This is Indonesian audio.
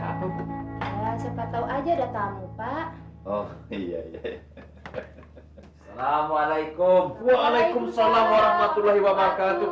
ya apa apa aja datang lupa oh iya iya assalamualaikum waalaikumsalam warahmatullahi wabarakatuh